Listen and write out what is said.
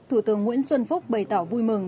thủ tướng nguyễn xuân phúc bày tỏ vui mừng